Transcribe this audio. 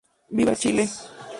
Viva Chile!